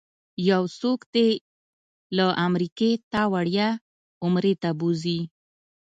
یو څوک دې له امریکې تا وړیا عمرې ته بوځي.